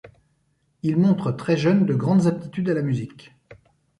Il montre très jeune de grandes aptitudes à la musique.